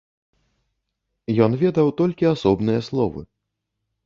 Ён ведаў толькі асобныя словы.